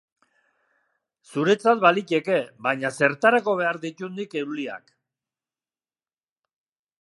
Zuretzat baliteke, baina zertarako behar ditut nik euliak.